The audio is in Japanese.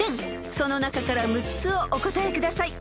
［その中から６つをお答えください］